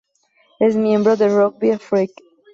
Es miembro de Rugby Afrique.